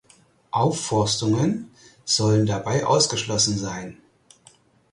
Aufforstungen sollen dabei ausgeschlossen sein